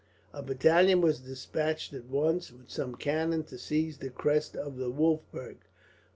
A battalion was despatched at once, with some cannon, to seize the crest of the Wolfberg.